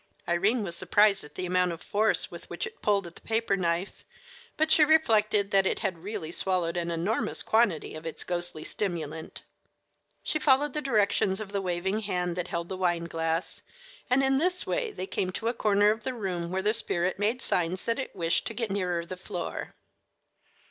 Irene was surprised at the amount of force with which it pulled at the paper knife, but she reflected that it had really swallowed an enormous quantity of its ghostly stimulant. She followed the directions of the waving hand that held the wine glass, and in this way they came to a corner of the room where the spirit made signs that it wished to get nearer the floor.